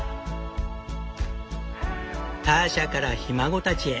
ターシャからひ孫たちへ。